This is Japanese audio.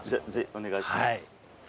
お願いします。